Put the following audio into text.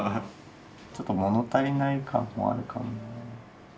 ちょっと物足りない感もあるかな。